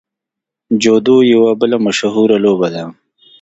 جودو یوه بله مشهوره لوبه ده.